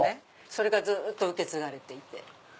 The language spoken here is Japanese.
それがずっと受け継がれていて。